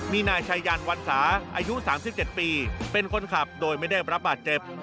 มีนายชายันวันสาอายุ๓๗ปีเป็นคนขับโดยไม่ได้รับบาดเจ็บ